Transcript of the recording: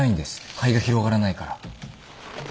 肺が広がらないから。